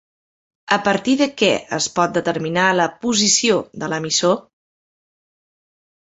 A partir de què es pot determinar la posició de l'emissor?